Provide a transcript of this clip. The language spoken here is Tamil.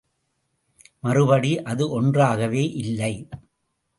மறுபடி அது ஒன்றாகவே இல்லை!